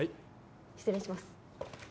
失礼します